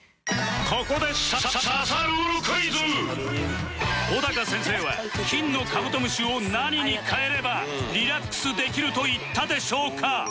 ここで小高先生は金のカブトムシを何に変えればリラックスできると言ったでしょうか？